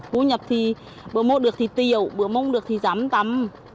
bữa nhập thì bữa mô được thì tiểu bữa mông được thì giám tắm